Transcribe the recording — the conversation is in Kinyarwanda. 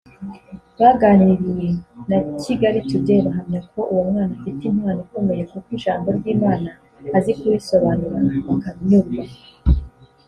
baganiriye na Kigali Today bahamya ko uwo mwana afite impano ikomeye kuko ijambo ry’Imana azi kurisobanura bakanyurwa